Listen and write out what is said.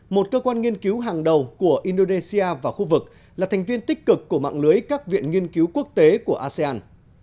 một cơ quan nghiên cứu hàng đầu của indonesia và khu vực là thành viên tích cực của mạng lưới các viện nghiên cứu quốc tế của asean